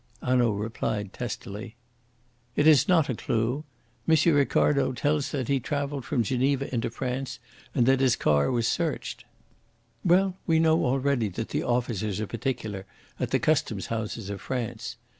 Hanaud replied testily: "It is not a clue. M. Ricardo tells that he travelled from Geneva into France and that his car was searched. Well, we know already that the officers are particular at the Custom Houses of France.